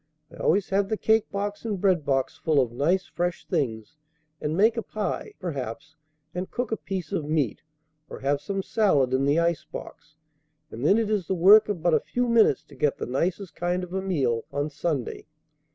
I always have the cake box and bread box full of nice fresh things, and make a pie, perhaps, and cook a piece of meat, or have some salad in the ice box; and then it is the work of but a few minutes to get the nicest kind of a meal on Sunday.